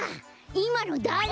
いまのだれ？